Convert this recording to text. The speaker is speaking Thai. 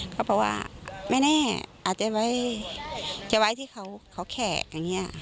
เขาบอกว่าไม่แน่อาจจะไว้ที่เขาแขก